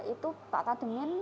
itu pak kademin